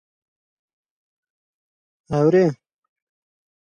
جنگ عقیدتی